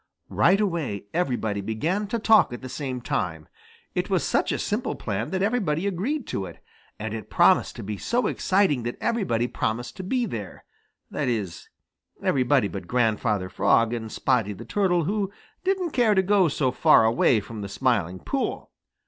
Right away everybody began to talk at the same time. It was such a simple plan that everybody agreed to it. And it promised to be so exciting that everybody promised to be there, that is, everybody but Grandfather Frog and Spotty the Turtle, who didn't care to go so far away from the Smiling Pool.